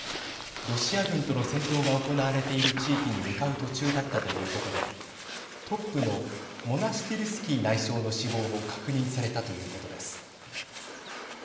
ロシア軍との戦闘が行われている地域に向かう途中だったということでトップのモナスティルスキー内相の死亡も確認されたということです。